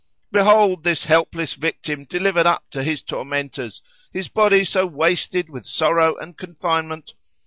]—"Behold this helpless victim delivered up to his tormentors,—his body so wasted with sorrow and confinement."